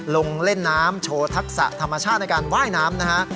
ลงเล่นน้ำโชว์ทักษะธรรมชาติในการว่ายน้ำนะฮะ